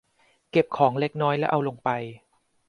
เก็บของเล็กน้อยและเอาลงไป